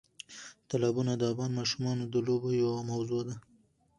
تالابونه د افغان ماشومانو د لوبو یوه موضوع ده.